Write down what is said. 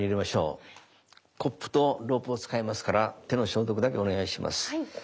コップとロープを使いますから手の消毒だけお願いします。